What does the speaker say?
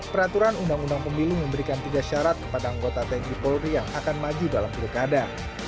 peraturan undang undang pemilu memberikan tiga syarat kepada anggota tni polri yang akan maju dalam pilkada